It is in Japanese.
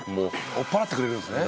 追っ払ってくれるんすね。